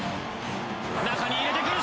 中に入れてくる！